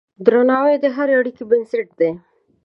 درناوی د هرې اړیکې بنسټ دی.